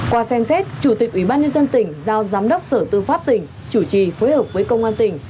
qua xem xét chủ tịch ủy ban nhân dân tỉnh giao giám đốc sở tư pháp tỉnh chủ trì phối hợp với công an tỉnh